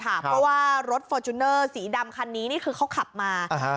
เพราะว่ารถฟอร์จูเนอร์สีดำคันนี้นี่คือเขาขับมา